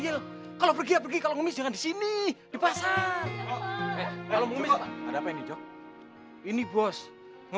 loh hilang nih selera makan gue